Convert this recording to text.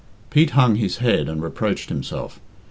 Pete hung his head and reproached himself.